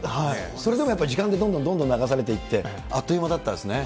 それでもやっぱり時間でどんどんどんどん流されていって、あっという間だったですね。